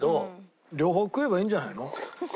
両方食えばいいんじゃないの？